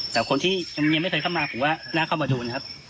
แต่คนที่ยังไม่เคยเข้ามาผมว่าน่าเข้ามาดูนะครับ